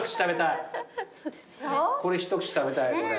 これ一口食べたいこれ。